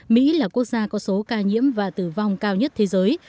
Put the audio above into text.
mỹ là quốc gia có số ca nhiễm và tử vong cao nhất thế giới